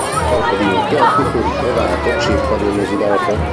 Il corpo di Matteotti fu ritrovato circa due mesi dopo.